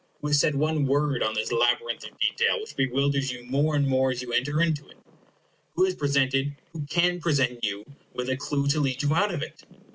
Who has said one word on this labyrinth of detail, which bewilders you more and more as you enter into it? Who has presented, who can present you with a clue to lead you out of it?